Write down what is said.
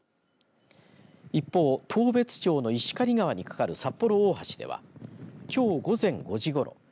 一方、当別町の石狩川にかかる札幌大橋ではきょう午前５時ごろ